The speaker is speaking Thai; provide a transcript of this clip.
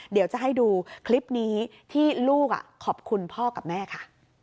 เดี๋ยวจะให้ดูคลิปนี้ที่ลูกขอบคุณพ่อกับแม่ค่ะ